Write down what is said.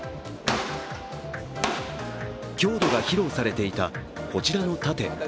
強度が披露されていたこちらの盾。